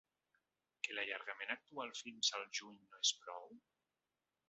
Que l’allargament actual fins al juny no és prou?